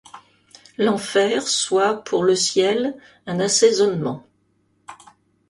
L’enfer soit pour leciel un assaisonnement